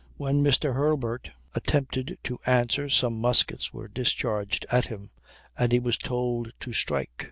When Mr. Hurlburt attempted to answer some muskets were discharged at him, and he was told to strike.